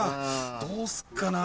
どうすっかな。